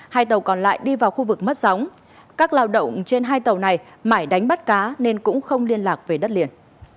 hai tàu còn lại đi vào khu vực mất sóng các lao động trên hai tàu này mãi đánh bắt cá nên cũng không liên lạc về đất liền